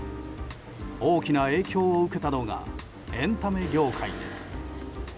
大きな影響を受けたのがエンタメ業界です。